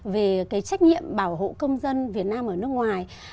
về cái trách nhiệm bảo hộ công dân việt nam ở nước ngoài